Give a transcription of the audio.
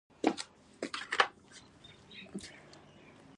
نن ستا لور کتله سبا زما لور ته د خريدار په نظر کتل.